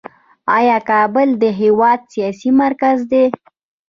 آیا کابل د هیواد سیاسي مرکز دی؟